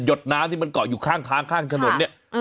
ดน้ำที่มันเกาะอยู่ข้างทางข้างถนนเนี่ย